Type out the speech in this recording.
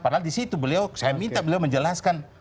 padahal disitu beliau saya minta beliau menjelaskan